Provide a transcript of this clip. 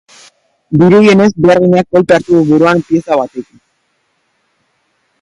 Dirudienez, beharginak kolpea hartu du buruan pieza batekin.